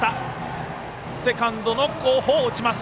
セカンドの後方、落ちます。